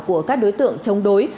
của các đối tượng chống đối